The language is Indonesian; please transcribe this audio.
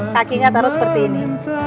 kakinya taruh seperti ini